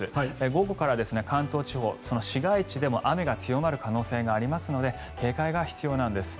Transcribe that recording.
午後から関東地方市街地でも雨が強まる可能性がありますので警戒が必要なんです。